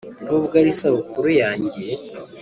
“Nubwo ari isabukuru yanjye